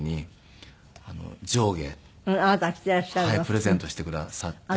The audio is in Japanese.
プレゼントしてくださって。